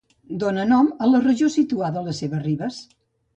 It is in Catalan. Dóna nom a la regió situada a les seves ribes.